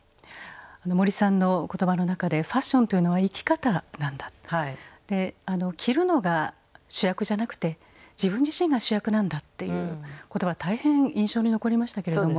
森さんの言葉の中でファッションというのは生き方なんだと。で着るのが主役じゃなくて自分自身が主役なんだっていう言葉大変印象に残りましたけれども。